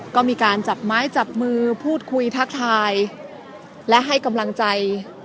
ก็มีการจับไม้จับมือพูดคุยทักทายและให้กำลังใจ